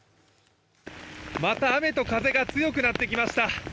また雨と風が強くなってきました。